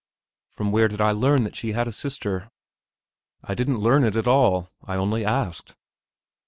From where did I learn that she had a sister? I didn't learn it at all; I only asked.